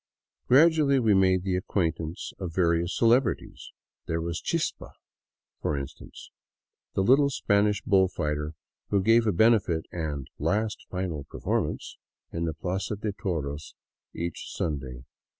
Gradually we made the acquaintance of various celebrities. There was " Chispa," for instance, the little Spanish bull fighter who gave a benefit and " last final performance " in the plaza de toros each Sun day.